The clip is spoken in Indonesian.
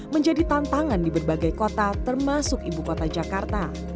menjadi tantangan di berbagai kota termasuk ibu kota jakarta